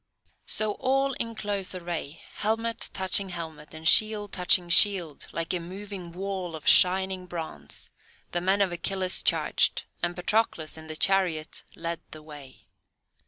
So all in close array, helmet touching helmet and shield touching shield, like a moving wall of shining bronze, the men of Achilles charged, and Patroclus, in the chariot led the way.